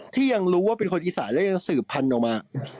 ยังรู้ว่าเป็นคนอีสานและยังสืบพันธุ์ออกมา